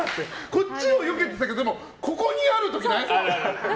こっちをよけてたけどここにある時ない？